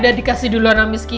udah dikasih dulu namis kiki ya